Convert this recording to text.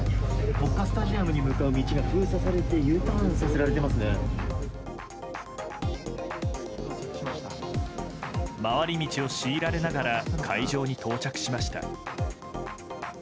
国家スタジアムに向かう道が封鎖されて回り道を強いられながら会場に到着しました。